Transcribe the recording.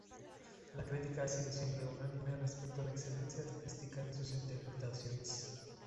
La crítica ha sido siempre unánime respecto a la excelencia artística de sus interpretaciones.